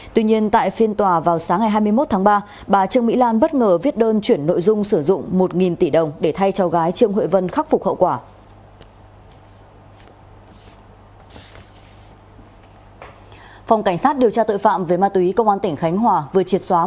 trước đó bà trương mỹ lan mong muốn chuyển một tỷ đồng mà bị cáo nguyễn cao trí nộp khắc phục hậu quả